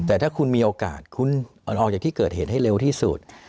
แต่ถ้าคุณมีโอกาสคุณออกจากที่เกิดเหตุให้เร็วที่สุด